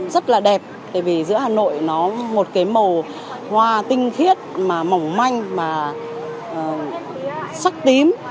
rất là đẹp tại vì giữa hà nội nó một cái màu hoa tinh khiết mà mỏng manh mà sắc tím